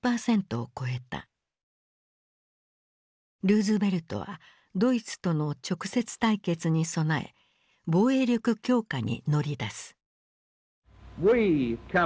ルーズベルトはドイツとの直接対決に備え防衛力強化に乗り出す。